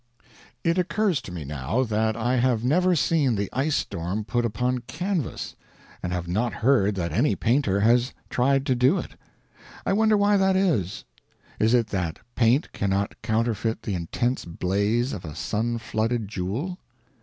It occurs to me now that I have never seen the ice storm put upon canvas, and have not heard that any painter has tried to do it. I wonder why that is. Is it that paint cannot counterfeit the intense blaze of a sun flooded jewel?